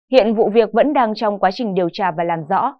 hiện vụ việc vẫn đang trong quá trình điều tra và làm rõ